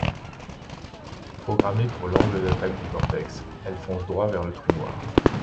Programmée pour l'angle d'attaque du vortex, elle fonce droit vers le trou noir.